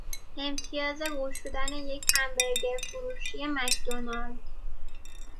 امتیاز گشودن یک همبرگر فروشی مکدونالد